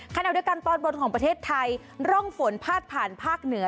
ขณะเดียวกันตอนบนของประเทศไทยร่องฝนพาดผ่านภาคเหนือ